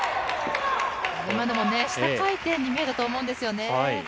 今のも下回転に見えると思うんですよね。